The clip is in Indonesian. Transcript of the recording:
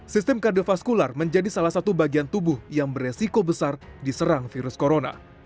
sistem kardiofaskular menjadi salah satu bagian tubuh yang beresiko besar diserang virus corona